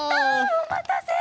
おまたせ！